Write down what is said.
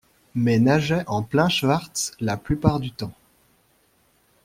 mais nageait en plein schwartz la plupart du temps.